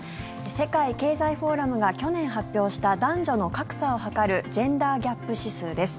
世界経済フォーラムが去年発表した男女の格差を測るジェンダー・ギャップ指数です。